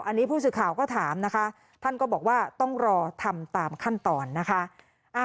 อันนี้ผู้สื่อข่าวก็ถามนะคะท่านก็บอกว่าต้องรอทำตามขั้นตอนนะคะ